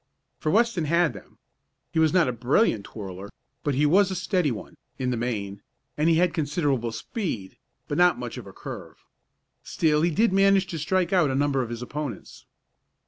For Weston had them. He was not a brilliant twirler, but he was a steady one, in the main, and he had considerable speed, but not much of a curve. Still he did manage to strike out a number of his opponents.